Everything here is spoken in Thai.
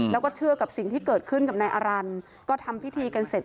แล้วก็เชื่อกับสิ่งที่เกิดขึ้นกับนายอารันทร์ก็ทำพิธีกันเสร็จ